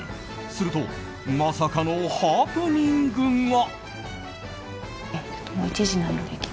すると、まさかのハプニングが。